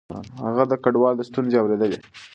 هغه د کډوالو ستونزې اورېدلې.